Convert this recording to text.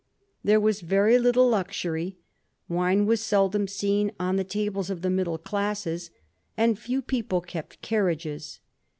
There was very little luxury ; wine was seldom seen on the tables of the middle classes, and few people kept carriages.